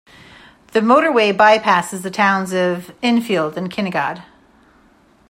The motorway by-passes the towns of Enfield and Kinnegad.